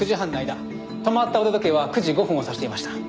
止まった腕時計は９時５分を指していました。